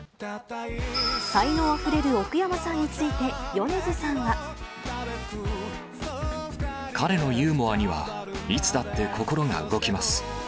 才能あふれる奥山さんについて、彼のユーモアには、いつだって心が動きます。